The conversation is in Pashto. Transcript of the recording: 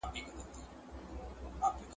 ټولنې د وخت په تېرېدو بدلون مومي.